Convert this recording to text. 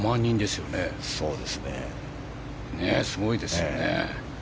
すごいですね。